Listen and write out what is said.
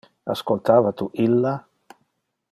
Ascoltava tu illa?